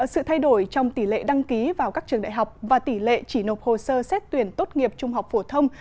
sự thay đổi trong tỷ lệ đăng ký vào các trường đại học và tỷ lệ chỉ nộp hồ sơ xét tuyển tốt nghiệp trung học phổ thông